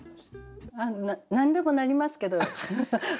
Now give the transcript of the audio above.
あの何でもなりますけど。